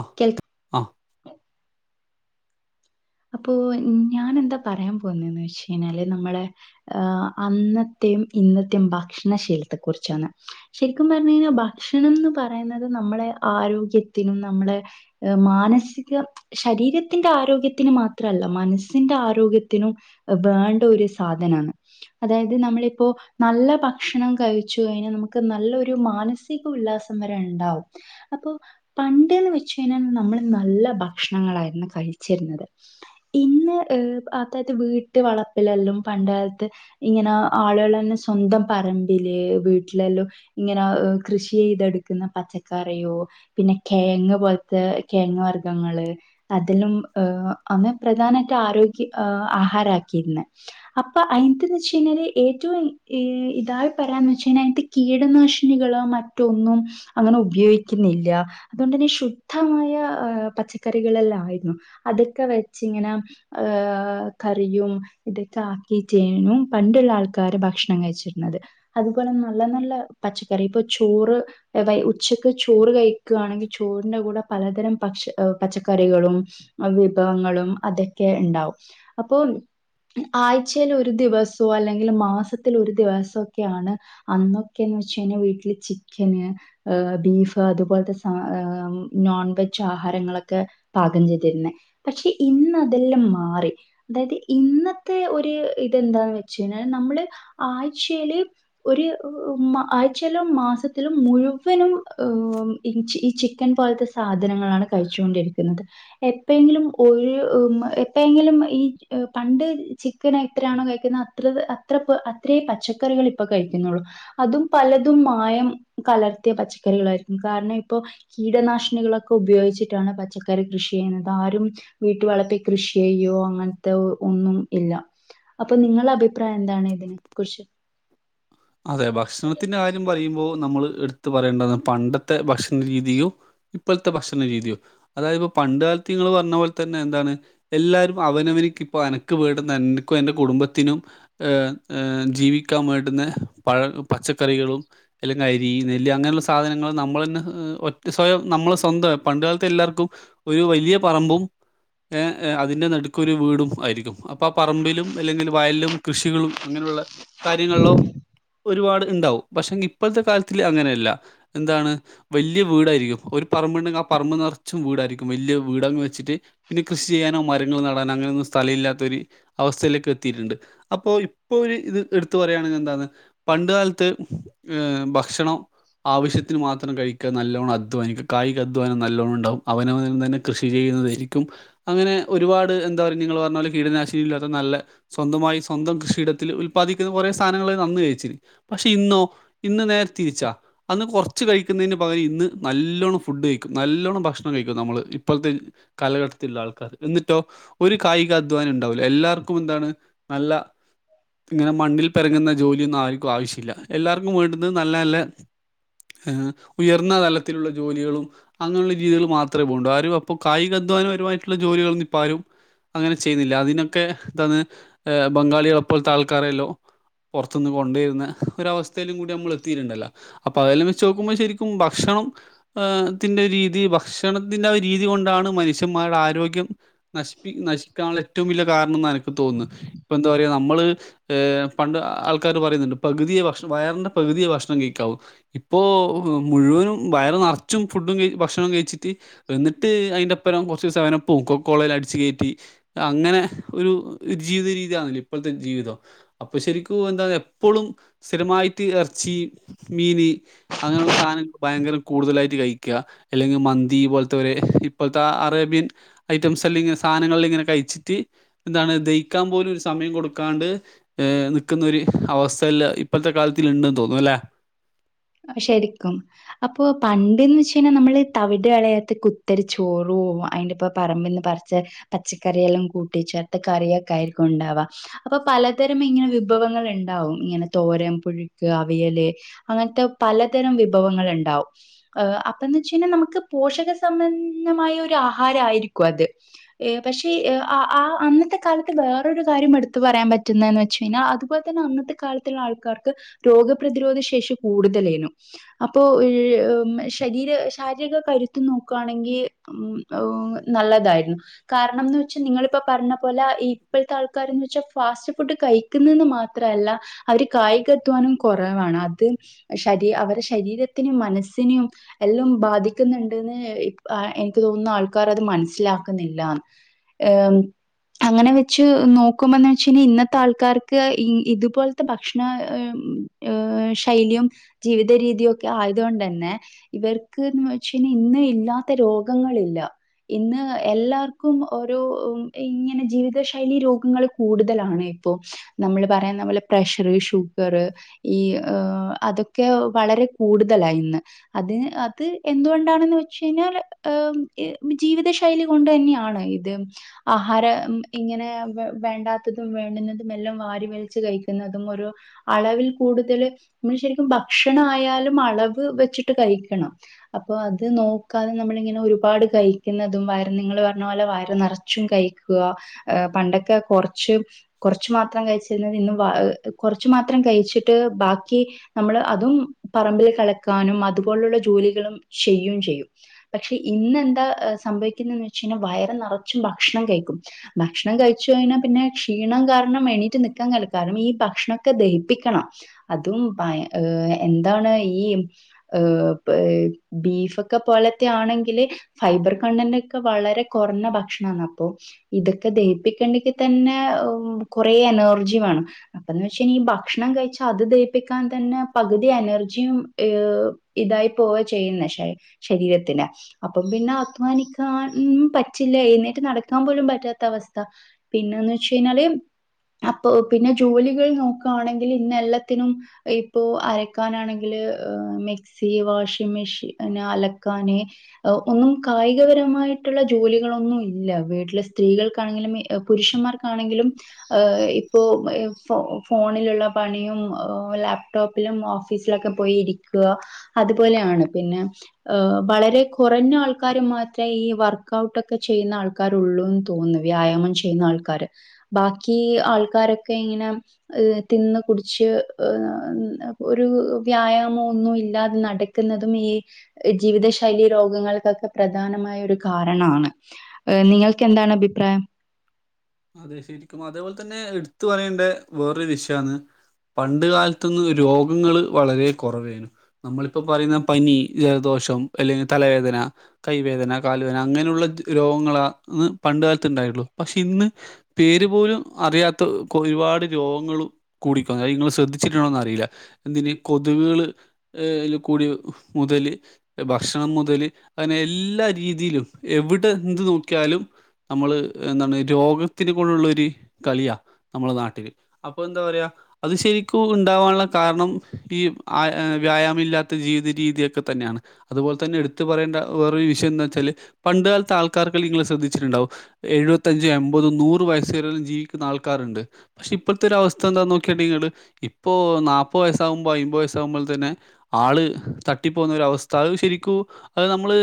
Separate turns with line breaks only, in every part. ആഹ്
കേൾക്
അഹ്
അപ്പൊ ഞാൻ എന്താ പറയാൻ പോന്നന്ന് വെച്ച് കഴിഞ്ഞാല് നമ്മളെ. ആഹ് അന്നത്തെയും ഇന്നത്തെയും ഭക്ഷണശീൽത്തെ കുറിച്ചാണ്.. ശരിക്കുംപർണ്ഴിഞ്ഞാൽ ഭക്ഷണം ന്ന് പറയുന്നത് നമ്മളെ ആരോഗ്യത്തിനും നമ്മളെ.. ഹ്. മാനസിക ശരീരത്തിന്റെ ആരോഗ്യ ത്തിന് മാത്രല്ല മനസ്സിന്റെ ആരോഗ്യത്തിനും വേണ്ട ഒരു സാധനാണ്.. അതായത് നമ്മളിപ്പോ.. നല്ല ഭക്ഷണം കഴിച്ചു കഴിഞ്ഞാൽ നമുക്ക് നല്ലരു മാനസിക ഉല്ലാസം വരെ ഉണ്ടാവും.. അപ്പൊ പണ്ടന്ന് വെച്ഴിഞ്ഞാൽ നമ്മൾ നല്ല ഭക്ഷണങ്ങളായിരുന്നു കഴിച്ചിരുന്നത്.. ഇന്ന്, ഹ്. അതായ്ത് വീട്ട് വളപ്പിലെല്ലാം പണ്ടലത്ത്.. ഇങ്ങനെ ആളുളന്നെ സ്വന്തം പറമ്പില് വീട്ടിലെല്ലോ.. ഇങ്ങനെ ഹ് കൃഷിയ്തെടുക്കുന്ന പച്ചക്കറിയോ.. പിന്നെ കേയങ്ങ് പോൽത്തെ കേയങ് വർഗ്ഗങ്ങള് അതിലും ഹ്ഹ്.. അന്ന്. പ്രധാനയിട്ട് ആരോഗ്യ ആഹാര ആക്കിയിരുന്നെ.. അപ്പൊ അയിന്ത്ദ് വെച്ചഴിഞ്ഞാല് ഏറ്റവും ഈ ഈ ഇതായി പറയാന്ന് വച്ചഴിഞ്ഞാൽ ഇത്.. കീടനാശിനികളോ മറ്റൊന്നും അങ്ങനെ ഉപയോഗിക്കുന്നില്ല.. അതൊണ്ടെന്നെ ശുദ്ധമായ പച്ചക്കറികളെല്ലാംയിരുന്നു അതൊക്കെ വെച്ച്ങ്ങനെ.. അഹ് ആ. കറിയും.. ഇതൊക്കെ ആക്കിട്ടേനും പണ്ടുള്ള ആൾക്കാര് ഭക്ഷണം കഴിച്ചിരുന്നത്.. അതുപോലെ നല്ല നല്ല പച്ചക്കറി പ്പൊ ചോറ്. എബൈ ഉച്ചക്ക് ചോറ് കയി ക് അണെങ്കിൽ ചോറിന്റെ കൂടെ പലതരം പക്ഷ പച്ചക്കറികളും. അവി വിഭവങ്ങളും അതൊക്കെണ്ടാവും അപ്പോം. ആയ് ഛേലൊരു ദിവസോ അല്ലെങ്കിൽ മാസത്തിൽ ഒരു ദിവസക്കെയാണ്.. അന്നൊക്കെയന്ന് വെച്ചയിഞ്ഞ വീട്ടില് ചിക്കന്.. ഹ്. ബീഫ് അതുപോലത്തെ. സ. നോൺ വെജ് ആഹാരങ്ങളൊക്കെ.. പാകം ചെയ്തിരുന്നെ പഷേ ഇന്ന് അതെല്ലാം മാറി.. അതായത് ഇന്നത്തെ ഒരു ഇതെന്താന്ന് വെച്ച്ഴിഞ്ഞാൽ നമ്മള് ആഴ്ചെല് ഒരു ഹ് മ. ആഴ്ചയിലും മാസത്തിലും മുഴുവനും. ഹ് ഹ് മ്മ്.. ഈ ചിക്കൻ പോൽത്തെ. സാധനങ്ങളാണ് കഴിച്ചുകൊണ്ടിരിക്കുന്നത് എപ്പോഴെങ്കിലും.. ഒരു. ഉമ്. എപ്പോയെങ്കിലും ഈ പണ്ട് ചിക്കൻ എത്രണോ കഴിക്കുന്നഅ അത്ര അത്ര അത്രേ പച്ചക്കറികൾ ഇപ്പ കഴിക്കുന്നുള്ളൂ.. അതും പലതും മായം കലർത്തിയ പച്ചക്കറികളായിരുന്നു. കാരണം ഇപ്പോ.. കീടനാശിനികളൊക്കെ ഉപയോഗിച്ചിട്ടാണ് പച്ചക്കറി കൃഷി ചെയ്യുന്നത് ആരും.. വീട്ട് വളപ്പി കൃഷിയ്യോ അങ്ങനത്തെ ഒന്നും ഇല്ല.. അപ്പൊ നിങ്ങളെ അഭിപ്രായം എന്താണ് ഇതിനെ കുറിച്ച്..
അതെ ഭക്ഷണത്തിന്റെ കാര്യം പറയുമ്പോൾ നമ്മളെടുത്തു പറയേണ്ടത് പണ്ടത്തെ ഭക്ഷണ രീതിയും.. ഇപ്പോൾത്തെ ഭക്ഷണ രീതിയും അതായത് പൊ പണ്ട്ൽത്ത് നിങ്ങള്പറഞ്ഞ പോലെ തന്നെ എന്താണ് എന്താണ്.. എല്ലാരും അവനവനിക് ഇപ്പൊ അ നക്ക് വേട്ന്ന. നെൻ. അനക്കു. അന്റെ കുടുംബത്തിനും.. ഹെ. ഹെ ജീവിക്കാൻ മേണ്ട്ന്ന പഴ പച്ചക്കറികളും.. അല്ലങ്കി അരി നെല്ല് അങ്ങനെയുള്ള സാധനങ്ങൾ നമ്മളന്നെ ഒറ്റ സ്വയം നമ്മള് സ്വന്തം പണ്ട്കാൽത് എല്ലാർകും.. ഒരു വലിയ പറമ്പും.. ഹ്, ഹെ, അതി്ന്റെ നടുക്കൊരു വീടും ആയിരിക്കും. അപ്പൊ ആ പറമ്പിലും അല്ലെങ്കിൽ വയലിലും കൃഷികളും അങ്ങനെയുള്ള.. കാര്യങ്ങള്ളോ.. ഒരുപാട് ഇണ്ടാവും പഷേ. ഇപ്പോത്തെ കാലത്തില് അങ്ങനെയല്ല എന്താണ്.. വല്ല്യ. വീടായിരിക്കും ഒരു പറമ്പു ണ്ടെങ്കി. ആ പറമ്പ് നറച്ചും വീടാരിക്കും. വല്ല്യ വീടാങ്. വെച്ചിട്ട്.. പിന്നെ കൃഷി യ്യാനോ മരങ്ങള് നടാനോ അങ്ങനൊന്നും സ്ഥലഇല്ലാതോര്.. അവസ്ഥയിലേക്ക് എത്തിയിട്ട്ണ്ട് അപ്പോ. ഇപ്പോരു ഇത് ഇടുത്ത് പറയാണെങ്കി. എന്താണ്.. പണ്ട് കാൽത്ത് ഏ ഹ്. ഭക്ഷണം.. ആവശ്യത്തിന് മാത്രം കഴിക നല്ലോണം അധ്വാനിക്കും കായിക്കധോനം. നല്ലോണം ഉണ്ടാകും അവനവൻ. തന്നെ.. കൃഷി ചെയ്യുന്നതായിരിക്കും അങ്ങനെ ഒരുപാട് എന്താ പറയുക നിങ്ങൾ പറഞ്ഞാൽ കീടനാശിനി ഇല്ലാത്ത നല്ല സ്വന്തമായി സ്വന്തം കൃഷിയിടത്തിൽ ഉല്പാദിക്കുന്ന കുറെേ സാധനങ്ങള നന്ന കഴച്ചിന് പക്ഷെ ഇന്നോ ഇന്ന് നേരെ തിരിച്ചാ അന്ന് കുറച്ച് കഴിക്കുന്നതിന് പകരം ഇന്ന് നല്ലോണ്ണം ഫുഡ് കഴിക്കും നല്ലോണ്ണം ഭക്ഷണം കഴിക്കും നമ്മൾ ഇപ്പോഴത്തെ കാലഘട്ടത്തിലുള്ള ആൾക്കാർ എന്നിട്ടോ ഒരു കായികാധ്വാനം ഉണ്ടാവൂില്ല എല്ലാവർക്കും എന്താണ് നല്ല ഇങ്ങനെ മണ്ണിൽ പിറങ്ങുന്ന ജോലിയൊന്നും ആർക്കും ആവശ്യമില്ല എല്ലാർക്കും വേണ്ടുന്ന നല്ല നല്ല ഏഹ് ഉയർന്ന തലത്തിലുള്ള ജോലികളും അങ്ങനെയുള്ള രീതികൾ മാത്രമേ പോകൂ ആരും അപ്പൊ കായികാധ്വാനപരമായിട്ടുള്ള ജോലികൾന്ന് ഇപ്പാരും അങ്ങനെ ചെയ്യുന്നില്ല അതിനൊക്കെ തന്ന് ബംഗാളികളെപ്പോലത്തെ ആൾക്കാരല്ലോ പുറത്തുനിന്ന് കൊണ്ടുവരുന്ന ഒരു അവസ്ഥയിലും കൂടി നമ്മൾ എത്തിയിട്ടുണ്ടല്ലോ അപ്പൊ അതെല്ലാം വെച്ച് നോക്കുമ്പോൾ ശരിക്കും ഉം ഭക്ഷണം ന്റെ രീതി ഭക്ഷണത്തിന്റെ ആഹ് രീതി കൊണ്ടാണ് മനുഷ്യ മ്മാരുടെ ആരോഗ്യം നശിപ്പ നശിക്കാനുള്ള ഏറ്റവും വലിയ കാരണം എനിക്ക് തോന്നുന്നു ഇ എന്താ പറയാുക നമ്മള് ഏഹ് പണ്ട് ആൾക്കാർ പറയുന്നുണ്ട് പകുതിയ ഭക്ഷണം വയറിൻന്റെറെ പകുതിയ ഭക്ഷണം കഴിക്കാവും ഇപ്പോ മുഴുവനും വയറ നിറച്ചും ഫുഡും കഴ ഭക്ഷണംവും കഴിച്ചിട്ട് എന്നിട്ട് അതിന്റെപ്പുരം കുറച്ച് ദിവസം അവെ പൂക്കോ കോളേൽ അടിച്ചു കയറ്റി അങ്ങനെ ഒരു ജീവിത രീതിയാണല്ലേ ഇപ്പോഴത്തെ ജീവിതം അപ്പൊ ശരിക്കും എന്താ ഇപ്പോഴും സ്ഥിരമായിട്ട് ഇറച്ചി മീന് അങ്ങനെയുള്ള സാധനങ്ങ ഭയങ്കരം കൂടുതലായിട്ട് കഴിക്കുക അല്ലെങ്കിൽ മന്തി പോലത്തെവരെ ഇപ്പോഴത്തെ അറേബ്യൻ ഐറ്റംസ് അല്ലെ സാധനങ്ങള ഇങ്ങനെ കഴിച്ചിട്ട് എന്താണ് ദഹക്കാൻ പോലും ഒരു സമയം കൊടുക്കാണ്ട് നിൽക്കുന്നൊ ഒരു അവസ്ഥ സെല് ഇപ്പോഴത്തെ കാലത്തി ഉണ്ടന്ന് തോന്നുന്നു അല്ലേ
ശരിക്കും അപ്പൊ പണ്ട്ന്ന് വെച്ച കഴിഞ്ഞാൽ നമ്മള് തവിട കളയാത്ത കുത്തരി ചോറോ അതിന്റെ ഇപ്പ പറമ്പിൽന്ന് പറിച്ച് പച്ചക്കറിയെല്ലാം കൂട്ടി ചേർത്ത കറിയൊക്കെ ആയിരിക്കും ഉണ്ടാവാ അപ്പൊ പലതരം ഇങ്ങനെ വിഭവങ്ങൾ ഉണ്ടാവും ഇങ്ങനെ തോരം പുഴുക്ക് അവിയല് അങ്ങന പലതരം വിഭവങ്ങൾ ഉണ്ടാവും അപ്പന്ന് വെച്ച കഴിഞ്ഞാൽ നമുക്ക് പോഷക സംബന്ധമായ ഒരു ആഹാരയിരിക്കും അത് പക്ഷേ ആഹ് അന്നത്തെ കാലത്ത് വേറൊരു കാര്യം എടുത്തു പറയാൻ പറ്റുന്നതന്ന് വെച്ച കഴിഞ്ഞാൽ അതുപോലെ ദേ അന്നത്തെ കാലത്തുള്ള ആൾക്കാർക്ക് രോഗപ്രതിരോധ ശേഷി കൂടുതലേനും അപ്പൊ ശരീര ശാരീരിക കരുത്ത് നോക്കുകയാണെങ്കിൽ ഉം നല്ലതായിരുന്നു കാരണംന്ന് വെച്ചാൽ നിങ്ങിപ്പ പറഞ്ഞ പോലെ ഇപ്പോഴത്തെ ആൾക്കാരന്ന് വെച്ചാ ഫാസ്റ്റ് ഫുഡ് കഴ ന്ന് മാത്രല്ല അവര് കായികധ്വാനം കുറവാണ് അത് ശരീ അവടെ ശരീരത്തിനും മനസ്സിനും എല്ലാം ബാധിക്കുന്നുണ്ട്ന്ന് എനിക്ക് തോന്നുന്ന ആൾക്കാർ അത് മനസ്സിലാക്കുന്നില്ലന്ന് ഏഹ് അങ്ങനെ വെച്ച് നോക്കുമ്പന്ന് വെച്ച കഴാൽ ഇന്നത്തെ ആൾക്കാർക്ക് ഇതുപോലത്തെ ഭക്ഷണം ഏഹ് ശൈലിയും ജീവിത രീതിയും ഒക്കെ ആയതുകൊണ്ട തന്നെ ഇവർക്ക് വച്ച ഇന്ന് ഇല്ലാത്ത രോഗങ്ങളില്ല ഇന്ന് എല്ലാവർക്കും ഓരോ ഇങ്ങനെ ജീവിത ശൈലി രോഗങ്ങൾ കൂടുതലാണ് ഇപ്പോൊ നമ്മള് പറയുന്ന പോലെ പ്രഷർ ഷുഗർ ഈ ആഹ് അതൊക്കെ വളരെ കൂടുതലായി ഇന്ന് അത് അത് എന്തുകൊണ്ടാണെന്ന് വെച്ച് കഴിഞ്ഞാൽ ജീവിത ശൈലി കൊണ്ട് തന്നെയാണ് ഇത് ആഹാര ഇങ്ങനെ വേണ്ടാത്തതും വേണ്ടുന്നതും എല്ലാം വാരി വലിച്ചു കഴിക്കുന്നതും ഒരു അളവിൽ കൂടുതല് നമ്മൾ ശരിക്കും ഭക്ഷണയാലും അളവ് വെച്ചിട്ട് കഴിക്കണം അപ്പൊ അത് നോക്കാതെ നമ്മളിങ്ങനെ ഒരുപാട് കഴിക്കുന്നതും വര നിങ്ങള്ൾ പറഞ്ഞ പോലെ വയരം നിറ കൊച്ചും കഴിക്കുക പണ്ടൊക്കെ കുറച്ച് കുറച്ചു മാത്രം കഴിച്ചിരുന്നത് ഇന്ന് കുറച്ചു മാത്രം കഴിച്ചിട്ട് ബാക്കി നമ്മള് അതും പറമ്പിൽ കളക്കാനും അതുപോലുള്ള ജോലികളും ചെയ്യും ചെയ്യും പക്ഷെ ഇന്ന് എന്താ സംഭവിക്കുന്നന്ന് വെച്ച്കഴിഞ്ഞാൽ വയർ നിറച്ചും ഭക്ഷണം കഴിക്കും ഭക്ഷണം കഴിച്ചു കഴിഞ്ഞാൽ പിന്നെ ക്ഷീണം കാരണം എണീറ്റ് നിക്കാൻ നടക്കാനും കാരണം ഈ ഭക്ഷണമെക്കെ ദഹിപ്പിക്കണം അതും ഏ എന്താണ് ഈ ഏ ബീഫൊക്കെ പോലത്തെ ആണെങ്കില് ഫൈബർ കണ്ടന്റ് ഒക്കെ വളരെ കുറഞ്ഞ ഭക്ഷണ അപ്പൊ ഇതൊക്കെ ദഹിപ്പിക്കേണ്ടെങ്കി തന്നെ കൊറെ എനർജി വേണം അപ്പന്നവെച്ചഴി [unintelligible] ഈ ഭക്ഷണം കഴിച്ചാ അത് അത് ദയിപ്പിക്കാൻ തന്നെ പകുതി എനർജിയും ഇതായി പോവ ചെയ്യുന്നക്ഷേ ശരീരത്തിന് അപ്പം പിന്നെ അധ്വാനിക്കാൻ പറ്റില്ല എഴുന്നേറ്റ് നടക്കാൻ പോലും പറ്റാത്ത അവസ്ഥ പിന്നന്താച്ചഴിഞ്ഞാല് അപ്പൊ പിന്നെ ജോലികൾ നോക്കുകയാണെങ്കിൽ ഇന്ന എല്ലാം ത്തിനും ഇപ്പോ അരക്കാനാണെങ്കില് മിക്സി വാഷിംങ് മെഷീ അലക്കാന് ഒന്നും കായികപരമായിട്ടുള്ള ജോലികളൊന്നും ഇല്ല വീട്ടിലെ സ്ത്രീകൾക്കാണെങ്കിലും പുരുഷന്മാർ കാണക്കിലും ആണെങ്കിലും ഇപ്പോ ഫോണിലുള്ള പണിയ ലാപ്ടോപ്പിലും ഓഫീസിലൊക്കെ പോയി ഇരിക്കുക അതുപോലെയാണ് പിന്നെ ഹ് വളരെ കുറഞ്ഞ ആൾക്കാര് മാത്ര ഈ വർക്ക്ഔട്ടൊക്കെ ചെയ്യുന്ന ആൾക്കാ ആൾക്കാറുളളന്ന് തോന്നുന്നു വ്യായാമം ചെയ്യുന്ന ആൾക്കാാര് ബാക്കി ആൾക്കാരൊക്കെ ഇങ്ങനെ തിന്ന് കുടിച്ച് ഒരു വ്യായാമം ഒന്നും ഇല്ലാതെ നടക്കുന്നതും ഈ ജീവിതശൈലി രോഗങ്ങൾക്കൊക്കെ പ്രധാനമായ ഒരു കാരണമാണ് ഹ നിങ്ങൾക്ക് എന്താണ് അഭിപ്രായം
അതെ ശരിക്കും അതേപോലെ തന്നെ എടുത്ത പറയേണ്ട വേറൊരു വിഷയാണ് പണ്ട് കാലത്തു ഒന്നും രോഗങ്ങള് വളരെ കുറവായിാണ് നമ്മളിപ്പൊ പറയുന്ന പനി ജലദോഷം അല്ലെങ്കിൽ തലവേദന കൈവേദന കാലുവേദന അങ്ങനെയുള്ള രോഗങ്ങളാന്ന് പണ്ട് കാലത്ത് ഉണ്ടായുള്ളു പക്ഷെ ഇന്ന് പേരുപോലും അറിയാത്ത ഒരുപാട് രോഗങ്ങളും കൂടിപോ നിങ്ങള് ശ്രദ്ധിച്ചിട്ടുണ്ടോന്ന് അറിയില്ല എന്തിന് കൊതുവുകള് ഏൽ കൂടി മുതല് ഭക്ഷണം മുതല് അങ്ങനെ എല്ലാ രീതിയിലും എവിടെ എന്ത് നോക്കിയാലും നമ്മള് എന്താണ് രോഗത്തിനെ കൊണ്ടുള്ളരു കളിയാ നമ്മളെ നാട്ടില് അപ്പൊ എന്താ പറയാ അത് ശരിക്കും ഉണ്ടാവാനുള്ള കാരണം ഈ വ്യായാമ ഇല്ലാത്ത ജീവിത രീതിയൊക്കെ തന്നെയാണ് അതുപോലെ തന്നെ എടുത്ത് പറയേണ്ട വേറൊ വിഷയം എന്ന് വച്ചാല് പണ്ട കാലത്തെ ആൾക്കാരെ ഇങ്ങൾ ശ്രദ്ധിച്ചിട്ടണ്ടാവും എഴുപത്തഞ്ച് എപത് നൂറ് വയസ്സുകളിലും ജീവിക്കുന്ന ആൾക്കാരുണ്ട് പക്ഷെ ഇപ്പോഴത്തെ ഒരു അവസ്ഥ എന്താ നോക്കിയിട്ടണ്ടെങ്കില് ഇപ്പോ നാപ്പത് വയസ്സാകുമ്പോ അമ്പത് വയസ്സ ആകുമ്പോൾ തന്നെ ആള് തട്ടിപ്പോകുന്ന ഒരവസ്ഥ അത് ശരിക്കു അത് നമ്മള്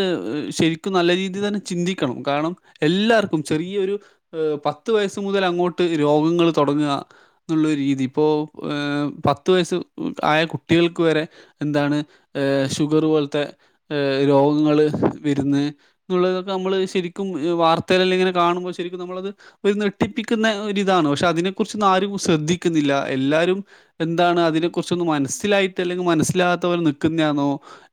ശരിക്കും നല്ല രീതിയിൽ തന്നെ ചിന്തിക്കണം കാരണം എല്ലാർക്കും ചെറിയൊരു പത്ത് വയസ്സു മുതൽ അങ്ങോട്ട് രോഗങ്ങൾ തുടങ്ങ എന്നുള്ളരു രീതി ഇപ്പോൾ പത്ത് വയസ്സ് ആയ കുട്ടികൾക്ക് വരെ എന്താണ് ഏ ഷുഗർ പോലത്തെ രോഗങ്ങള് വരുന്ന് എന്നുള്ളതൊക്കെ നമ്മള് ശരിക്കും വാർത്തകെല്ലാം ഇങ്ങനെ കാണുമ്പോൾ ശരിക്കും നമ്മളത് ഒരു നെട്ടിപ്പിക്കുന്ന ഒരിതാണ് പക്ഷെ അതിനെ കുറിച്ചൊന്നും ആരും ശ്രദ്ധിക്കുന്നില്ല എല്ലാരും എന്താണ് അതിനെ കുറിച്ചൊന്ന് മനസ്സിലായിട്ട് അല്ലെങ്കിൽ മനസ്സിലാത്ത പോലെ നിൽക്കുന്നതാണോ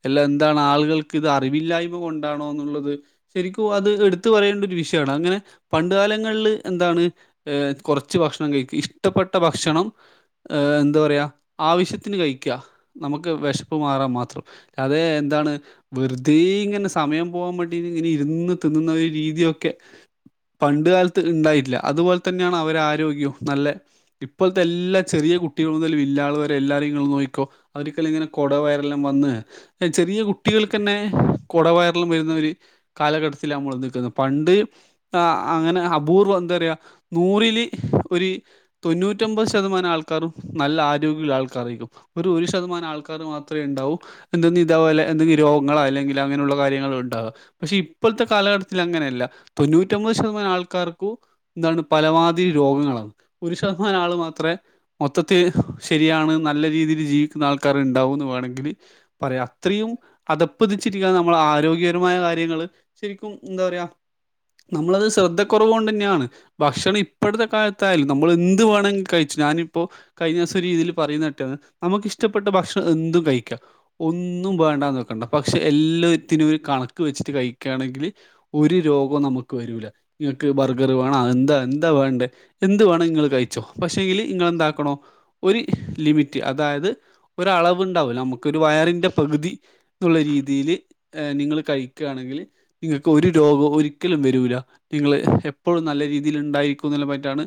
എല്ലാം എന്താണ് ആളുകൾക്ക് ഇത് അറിവില്ലായ്മ കൊണ്ടാണോ എന്നുള്ളത് ശരിക്കും അത് എടുത്തു പറയേണ്ട ഒരു വിഷയമാണ് അങ്ങനെ പണ്ട് കാലങ്ങളില് എന്താണ് ഏ കുറച്ച് ഭക്ഷണം കഴിക്കും ഇഷ്ടപ്പെട്ട ഭക്ഷണം എന്താ പറയാ ആവശ്യത്തിന് കഴിക്കാ നമുക്ക് വിശപ്പ് മാറാൻ മാത്രം അത എന്താണ് വെറുതെ ഇങ്ങനെ സമയം പോകാൻ വേണ്ടി ഇങ്ങനെ ഇരുന്ന് തിന്നുന്ന ഒരു രീതിയൊക്കെ പണ്ട് കാലത്ത് ഉണ്ടായിട്ടല്ല അതുപോലെ തന്നെയാണ് അവരെ ആരോഗ്യവും നല്ല ഇപ്പോഴത്തെ എല്ലാ ചെറിയ കുട്ടികളന്നലും ഇല്ലാത്തവരെ എല്ലാരരുംങ്ങൾ നോക്കിക്കോ അവരിക്കല്ലങ്ങനെ കുടവയരെല്ലാം വന്ന് എഹ് ചെറിയ കുട്ടികൾക്ക് തന്നെ കൊടവയർലം വരുന്ന ഒര് കാലഘട്ടത്തില നമ്മൾ നിൽക്കുന്നത് പണ്ട് ആഹ് അങ്ങനെ അപൂർവം എന്താ പറയാ നൂറില് ഒരു തൊണ്ണൂറ്റൊമ്പത് ശതമാനം ആൾക്കാാരും നല്ല ആരോഗ്യള്ള ആൾക്കാരായിരിക്കു ഒരു ഒരു ശതമാനം ആൾക്കാർ മാത്രേണ്ടാവൂ എന്തെന്നി ഇതേപോലെ എന്തെങ്കി രോഗങ്ങളോ അല്ലെങ്കിൽ അങ്ങനുള്ള കാര്യങ്ങൾണ്ടാവോ പക്ഷെ ഇപ്പത്തെ കാലഘട്ടത്തിൽ അങ്ങനെയല്ല തൊണ്ണൂ റ്റൊമ്പത് ശതമാനം ആൾക്കാർക്കു ന്താണ് പലമാതിരി രോഗങ്ങളാ ഒരു ശതമാനം ആള് മാത്രേ മൊത്തത്തിൽ ശരിയാണ് നല്ല രീതിയിൽ ജീവിക്കുന്ന ആൾക്കാർ ഉണ്ടാവുന്ന് വേണങ്കില് പറയാ അത്രീ അതപ്പതിച്ചിരിക്കൻ നമ്മൾ ആരോഗ്യപരമായ കാര്യങ്ങള് ശരിക്കും എന്താ പറയാ നമ്മളത് ശ്രദ്ധ കുറവോണ്ട്ന്നെയാണ് ഭക്ഷണം ഇപ്പഴത്തെ കാലത്തായാലും നമ്മൾ എന്ത് വേണങ്കി കഴിച് ഞാനിപ്പോ കഴിഞ്ഞസ ഒരു രീതിയിൽ പറയുന്നെട്ടാണ് നമുക്ക് ഇഷ്ടപ്പെട്ട ഭക്ഷണം എന്തും കഴിക്കാം ഒന്നും വേണ്ടന്ന് വെക്കണ്ട പക്ഷെ എല്ലാത്തിനും ഒരു കണക്ക് വെച്ചിട്ട് കഴിക്കാണെങ്കിൽ ഒരു രോഗം നമു ക്ക് വരൂല നിങ്ങൾക്ക് ബർഗർ വേണം എന്താ എന്താ വേണ്ടത് എന്ത് വേണം നിങ്ങൾ കഴിച്ചോ പക്ഷെങ്കില് ഇങ്ങെന്താക്കണോ ഒരു ലിമിറ്റ് അതായത് ഒരളവ് ണ്ടാവ് ലെ നമുക് ഒരു വയറിന്റെ പകുതി തുള്ള രീതിയില് എഹ് നിങ്ങൾ കഴിക്കാണെങ്കിൽ നിങ്ങക്ക് ഒരു രോഗവു ഒരി ക്കലു വരൂല നിങ്ങള് എപ്പോഴും നല്ല രീതിയില് ഉണ്ടായിരിക്കു ന്ന്ള്ള പറ്റാണ്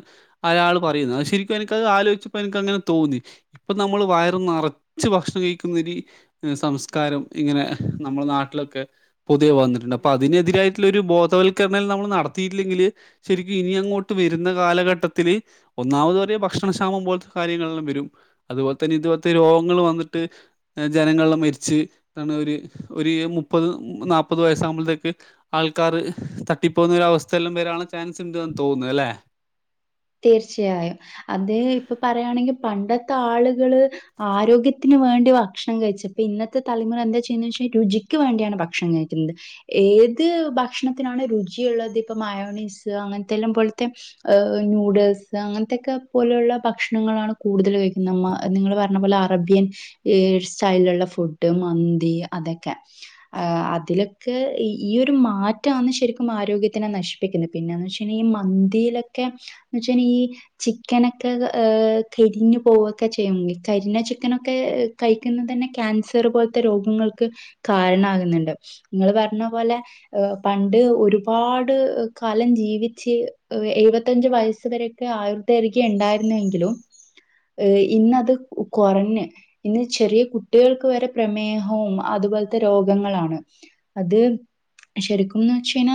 ആയാള് പറയുന്നെ അഹ് ശരിക്കും എനിക്കത് ആലോയ്ച്ചപ്പോ എൻക്ക്ങ്ങനെ തോന്നി പ്പം നമ്മൾ വയറ് നിറച്ച് ഭക്ഷണം കഴിക്കുന്നിരി സംസ്കാരം ഇങ്ങനെ നമ്മുടെ നാട്ടിലൊക്കെ പൊതിയെ വന്നിട്ടുണ്ട് അപ്പൊ അതിനെതിരായിട്ടുള്ളൊരു ബോധവൽക്കരണല് നമ്മൾ നടത്തിയിട്ടില്ലെങ്കില് ശരിക്കും ഇനി അങ്ങോട്ട് വരുന്ന കാലഘട്ടത്തില് ഒന്നാമത് വരെ ഭക്ഷണക്ഷാമം പോലത്തെ കാര്യങ്ങളെല്ലാം വരും അതുപോലെ തന്നെ ഇതുപോലത്തെ രോഗങ്ങൾ വന്നിട്ട് ജനങ്ങൾ ല്ലാ മരിച്ച് താണ് ഒരു ഒരു മുപ്പത് നാല്പ്പത് വയസ്സാഉമ്പത്തേക്ക് ആൾക്കാര് തട്ടിപ്പോകുന്നൊരവസ്ഥയെല്ലാം വരാണ് ചാൻസ് ഉണ്ട്ന്ന് തോന്ന ല്ലെ
തീർച്ചയായും അത് ഇപ്പൊ പറയയാണെങ്കിൽ പണ്ടത്തെ ആളുകള് ആരോഗ്യത്തിന് വേണ്ടി ഭക്ഷണം കഴിച്ചപ്പ ഇന്നത്തെ തലമുറ എന്താ ചെയ്യന്ന് വെച്ച രുചിക്ക് വേണ്ടിയാണ് ഭക്ഷണം കഴിക്കുന്നത് ഏത് ഭക്ഷണത്തിനാണ് രുചിയുള്ളത് ഇപ്പ മയോണീസ് അങ്ങനത്തെല്ലാം പോലത്തെ എഹ് പ നൂഡൽസ് അങ്ങൻത്തൊക്കെ പോലെള്ള ഭക്ഷണങ്ങളാണ് കൂടുതൽ കഴിക്കുന്ന മ്മ നിങ്ങൾ പറഞ്ഞ പോലെ അറബ്യൻ ഈ സ്റ്റൈലുള്ള ഫുഡ് മന്തി അതൊക്കെ ആഹ് അതിലൊക്കെ ഈ ഒരു മാറ്റാന്ന് ശരിക്കും ആരോഗ്യത്തിനെ നശി പിക്കന്ന് പിന്നെന്ന് വെച്ചഞ്ഞീ മന്തിയിലൊക്കെ എ വച്ചൽ ഈ ചിക്കനൊക്കെ ഏഹ് കരിഞ്ഞു പോവൊക്കെ ചെയ്യു കരിഞ്ഞ ചിക്കനൊക്കെ കഴിക്കുന്നത് തന്നെ ക്യാൻസർ പോലത്തെ രോഗങ്ങൾക്ക് കാരണകുന്നുണ്ട് ങ്ങള് പർഞ്ഞ പോലെ ഏഹ് പണ്ട് ഒരുപാട് കാലം ജീവിച്ച് എയ് വെ ത്തഞ്ച് വയസ് വരൊക്കെ ആയുർധദരികി ണ്ടായിരുന്നെങ്കിലു ഏഹ് ഇന്നത് കുറഞ്ഞ് ഇന്ന് ചെറിയ കുട്ടികൾക്ക് വരെ പ്രമേഹവും അതുപോൽത്തെ രോഗങ്ങളാണ് അത് ശരിക്കുംന്ന്ച്ചഴിഞ്ഞാ.